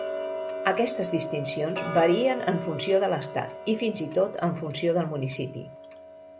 Aquestes distincions varien en funció de l'estat, i fins i tot en funció del municipi.